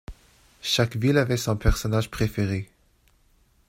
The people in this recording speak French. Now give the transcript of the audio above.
Chaque ville avait son personnage préféré.